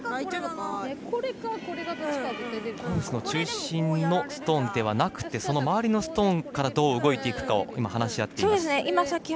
中心のストーンではなくてその周りのストーンからどう動いていくかを話し合っています。